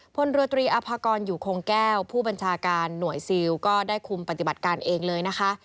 พลเรือตรีอภากรอยู่คงแก้วผู้บัญชาการหน่วยซิลก็ได้คุมปฏิบัติการเองเลยนะคะ